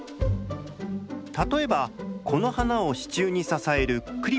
例えばこの花を支柱に支えるクリップにご注目。